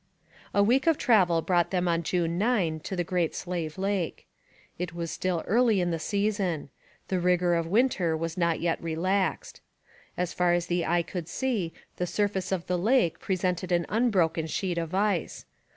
A week of travel brought them on June 9 to the Great Slave Lake. It was still early in the season. The rigour of winter was not yet relaxed. As far as the eye could see the surface of the lake presented an unbroken sheet of ice.